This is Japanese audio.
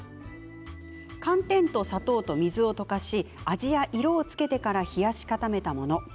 寒天と砂糖と水を溶かし味や色をつけてから冷やし固めたものです。